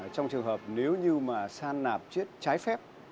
trong trường hợp nếu như mà san nạp chết trái phép